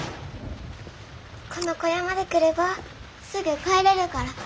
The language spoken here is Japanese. この小屋まで来ればすぐ帰れるから。